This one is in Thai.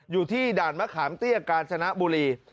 อยู่ที่ด่านมะขามเตี้ยกาญชนะบุรี